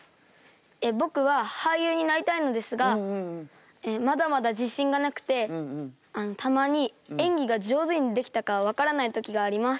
僕は俳優になりたいのですがまだまだ自信がなくてたまに演技が上手にできたか分からない時があります。